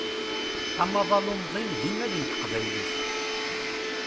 Amaḍal umḍin d imal n teqbaylit.